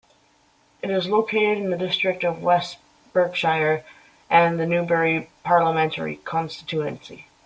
It is located in the district of West Berkshire and the Newbury parliamentary constituency.